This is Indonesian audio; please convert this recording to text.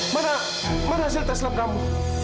mana mana hasil teslam kamu